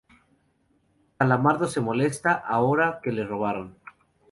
Calamardo se molesta, ahora que lo robaron.